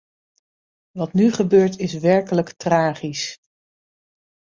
Wat nu gebeurt is werkelijk tragisch.